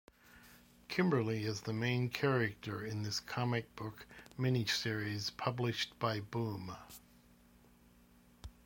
Kimberly is the main character in this comic book mini series published by Boom!